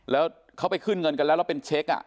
แล้วเขาไปขึ้นเงินกันแล้วแล้วเป็นเช็ค